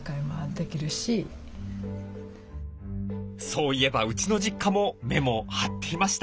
そういえばうちの実家もメモ貼っていました。